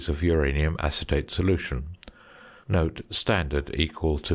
of uranium acetate solution (standard equal to 0.